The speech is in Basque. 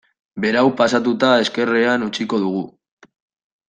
Berau pasatuta ezkerrean utziko dugu.